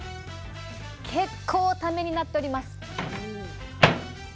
結構ためになっております。